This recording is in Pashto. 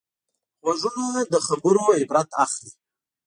غوږونه له خبرو عبرت اخلي